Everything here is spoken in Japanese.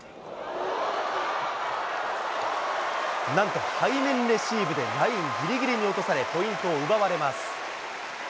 なんと背面レシーブでラインぎりぎりに落とされ、ポイントを奪われます。